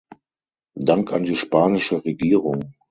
Dank an die spanische Regierung!